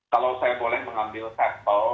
kalau saya boleh mengambil sampel